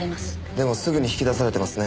でもすぐに引き出されてますね。